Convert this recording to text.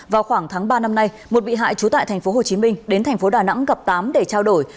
vào khoảng tháng ba năm nay một bị hại trú tại tp hồ chí minh đến tp đà nẵng gặp tám để trao đổi